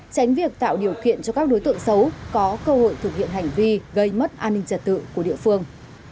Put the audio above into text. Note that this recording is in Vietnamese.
tránh việc tạo điều kiện cho các đối tượng xấu có cơ hội thực hiện hành vi gây mất an ninh trật tự của địa phương